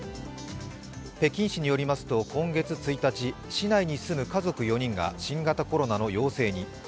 北京市によりますと今月１日、市内に住む家族４人が新型コロナ陽性に。